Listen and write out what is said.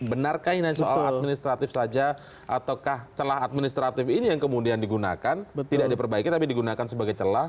benarkah ini soal administratif saja ataukah celah administratif ini yang kemudian digunakan tidak diperbaiki tapi digunakan sebagai celah